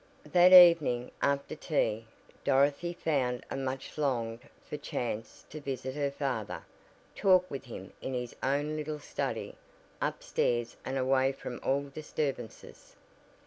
That evening, after tea, Dorothy found a much longed for chance to "visit" her father talk with him in his own little study, upstairs and away from all disturbances.